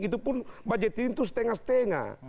itu pun budgeting itu setengah setengah